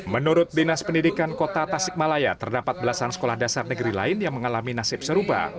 menurut dinas pendidikan kota tasikmalaya terdapat belasan sekolah dasar negeri lain yang mengalami nasib serupa